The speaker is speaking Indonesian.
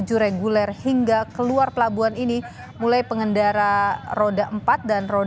jalur nagrek kabupaten bandung dari jawa tengah bertemu di jalur ini